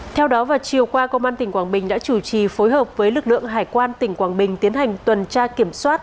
theo đó vào chiều qua công an tỉnh quảng bình đã chủ trì phối hợp với lực lượng hải quan tỉnh quảng bình tiến hành tuần tra kiểm soát